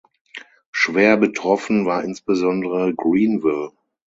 Schwer betroffen war insbesondere Greenville.